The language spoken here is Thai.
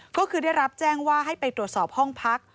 ก็คือได้รับแจ้งว่าให้ไปตรวจสอบห้องพัก